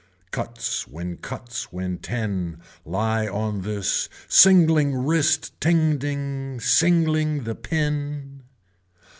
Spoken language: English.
Cuts when cuts when ten, lie on this, singling wrist tending, singling the pin.